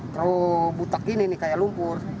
terlalu butak gini nih kayak lumpur